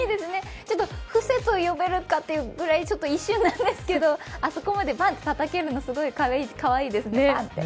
ちょっと伏せと呼べるかというぐらい一瞬なんですけど、あそこまでバン！とたたけるのがすごいかわいいです、バンって。